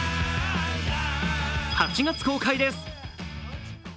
８月公開です。